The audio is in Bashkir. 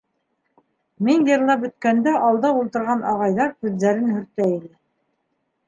Мин йырлап бөткәндә алда ултырған ағайҙар күҙҙәрен һөртә ине.